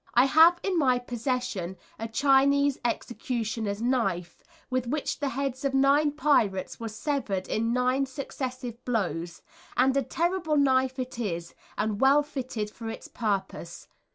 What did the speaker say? I have in my possession a Chinese executioner's knife, with which the heads of nine pirates were severed in nine successive blows, and a terrible knife it is, and well fitted for the purpose.